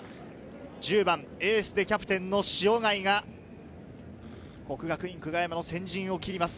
１０番はエースでキャプテンの塩貝が國學院久我山の先陣を切ります。